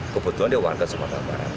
kebetulan dia warga sumatera barat